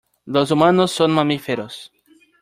Los humanos son mamíferos.